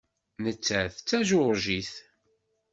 Nettat d Tajuṛjit.